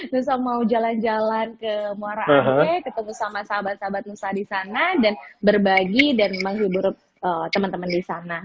nusa mau jalan jalan ke muara angke ketemu sama sahabat sahabat nusa disana dan berbagi dan menghibur teman teman disana